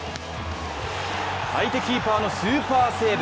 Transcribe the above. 相手キーパーのスーパーセーブ。